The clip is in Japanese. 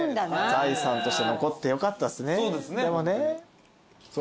財産として残ってよかったですね。